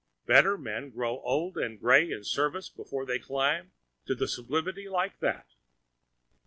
Better men grow old and gray in the service before they climb to a sublimity like that.